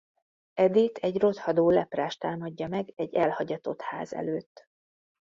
Eddie-t egy rothadó leprás támadja meg egy elhagyatott ház előtt.